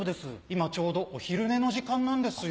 今ちょうどお昼寝の時間なんですよ。